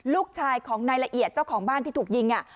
ลูกชายของนายละเอียดเจ้าของบ้านที่ถูกยิง